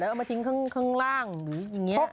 เอามาทิ้งข้างล่างหรืออย่างนี้